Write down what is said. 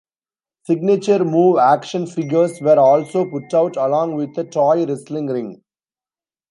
"Signature Move" action figures were also put out, along with a toy wrestling ring.